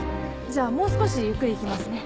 じゃあもう少しゆっくり行きますね。